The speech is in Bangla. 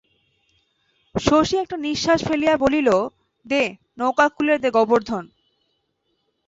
শশী একটা নিশ্বাস ফেলিয়া বলিল, দে, নৌকা খুলে দে গোবর্ধন।